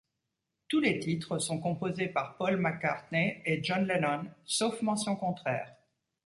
Tous les titres sont composés par Paul McCartney et John Lennon, sauf mention contraire.